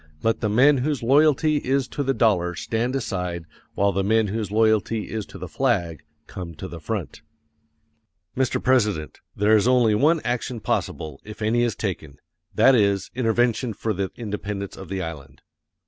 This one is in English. Let the men whose loyalty is to the dollar stand aside while the men whose loyalty is to the flag come to the front. Mr. President, there is only one action possible, if any is taken; that is, intervention for the independence of the island.